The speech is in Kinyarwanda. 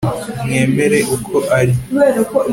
mwemere uko ari